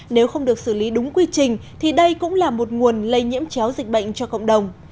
nếu không được xử lý đúng quy trình thì đây cũng là một nguồn lây nhiễm chéo dịch bệnh cho cộng đồng